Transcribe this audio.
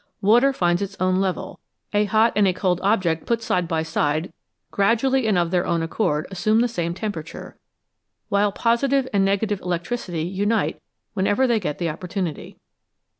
Water finds its own level, a hot and a cold object put side by side gradually and of their own accord assume the same temperature, while positive and negative electricity unite whenever they get the opportunity.